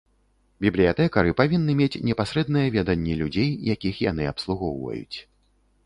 Бібліятэкары павінны мець непасрэднае веданне людзей, якіх яны абслугоўваюць.